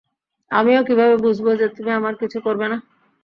আমিও কিভাবে বুঝবো যে তুমি আমার কিছু করবে না?